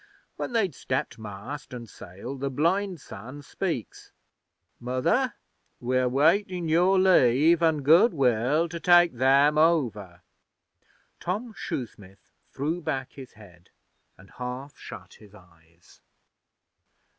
'When they'd stepped mast an' sail the blind son speaks: "Mother, we're waitin' your Leave an' Good will to take Them over."' Tom Shoesmith threw back his head and half shut his eyes.